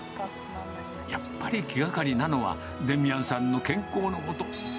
やっぱり気がかりなのは、デミアンさんの健康のこと。